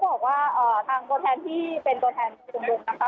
เขาบอกว่าทางตรงแทนที่เป็นตรงแทนชุมนมนะคะ